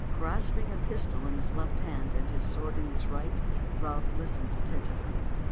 Grasping a pistol in his left hand, and his sword in his right, Ralph listened attentively.